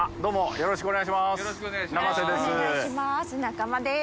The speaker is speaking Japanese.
よろしくお願いします。